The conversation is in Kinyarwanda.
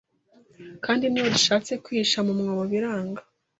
Kandi n'iyo dushatse kwihisha mu mwobo biranga